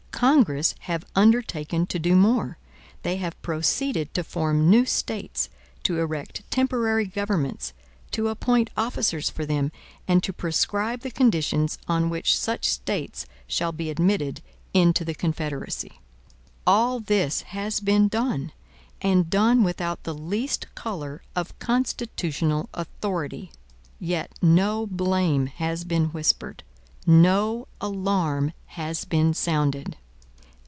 Congress have undertaken to do more: they have proceeded to form new States, to erect temporary governments, to appoint officers for them, and to prescribe the conditions on which such States shall be admitted into the Confederacy. All this has been done; and done without the least color of constitutional authority. Yet no blame has been whispered; no alarm has been sounded.